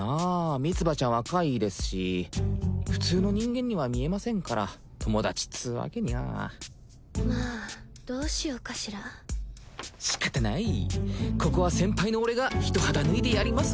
ミツバちゃんは怪異ですし普通の人間には見えませんから友達っつうわけにはまあどうしようかしら仕方ないここは先輩の俺が一肌脱いでやります